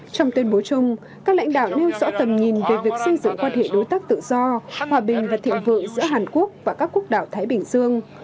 trong tuyên bố chung các lãnh đạo nêu rõ tầm nhìn về việc xây dựng quan hệ đối tác tự do hòa bình và thịnh vượng giữa hàn quốc và các quốc đảo thái bình dương